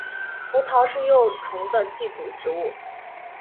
胡桃是幼虫的寄主植物。